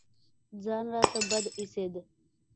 ځان راته بد اېسېد.